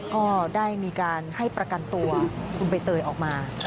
ก็ได้มีการให้ประกันตัวคุณใบเตยออกมา